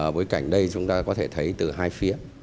bối cảnh đây chúng ta có thể thấy từ hai phía